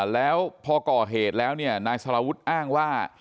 แล้วพอก่อเหตุแล้วนายสารวุฒิอ้างว่า